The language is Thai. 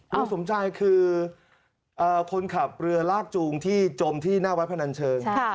คุณสมชายคือคนขับเรือลากจูงที่จมที่หน้าวัดพนันเชิง